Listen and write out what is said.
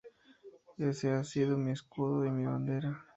Ese ha sido mi escudo y mi bandera".